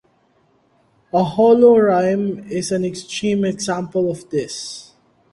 A holorime is an extreme example of this.